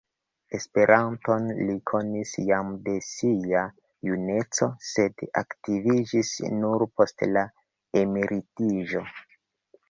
Esperanton li konis jam de sia juneco, sed aktiviĝis nur post la emeritiĝo.